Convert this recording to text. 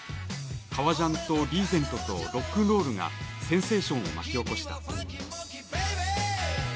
革ジャンとリーゼントとロックンロールがセンセーションを巻き起こした。